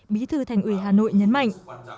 bí thư thành ủy hà nội nhấn mạnh